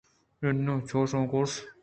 اِناں چوش مہ گوٛش